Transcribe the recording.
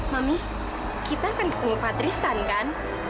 mami kita kan pengupat risan kan